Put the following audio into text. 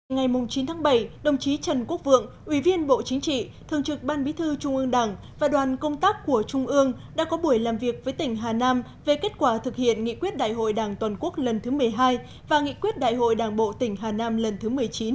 ngày chín tháng bảy đồng chí trần quốc vượng ủy viên bộ chính trị thường trực ban bí thư trung ương đảng và đoàn công tác của trung ương đã có buổi làm việc với tỉnh hà nam về kết quả thực hiện nghị quyết đại hội đảng toàn quốc lần thứ một mươi hai và nghị quyết đại hội đảng bộ tỉnh hà nam lần thứ một mươi chín